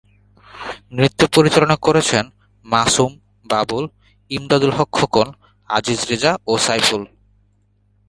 নৃত্য পরিচালনা করেছেন মাসুম বাবুল, ইমদাদুল হক খোকন, আজিজ রেজা ও সাইফুল।